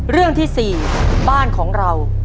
เรื่องที่๔บ้านของเรา